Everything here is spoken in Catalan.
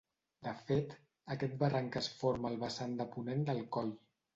De fet, aquest barranc es forma al vessant de ponent del coll.